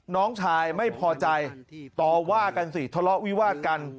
น้องชายไม่พอใจต่อว่ากันสิทะเลาะวิวาดกัน